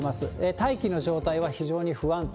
大気の状態は非常に不安定。